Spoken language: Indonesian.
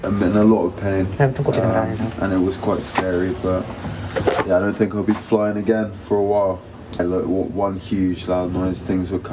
mengalami luka banyak penumpang yang mengalami trauma